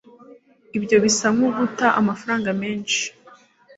ibyo bisa nkuguta amafaranga menshi